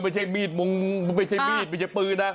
ไม่ใช่มีดไม่ใช่ปืนนะ